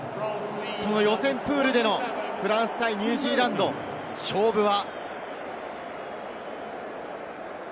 予選プールでのフランス対ニュージーランド、勝負は。